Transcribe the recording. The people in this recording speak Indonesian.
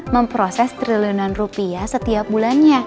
memproses triliunan rupiah setiap bulannya